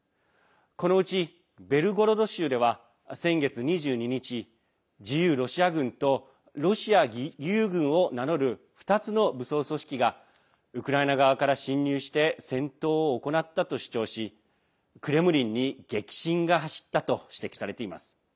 このうちベルゴロド州では先月２２日、自由ロシア軍とロシア義勇軍を名乗る２つの武装組織がウクライナ側から侵入して戦闘を行ったと主張しクレムリンに激震が走ったと指摘されています。